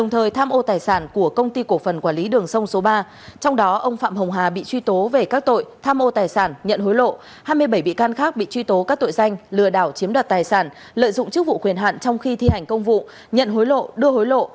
tham ô tài sản nhận hối lộ hai mươi bảy bị can khác bị truy tố các tội danh lừa đảo chiếm đoạt tài sản lợi dụng chức vụ quyền hạn trong khi thi hành công vụ nhận hối lộ đưa hối lộ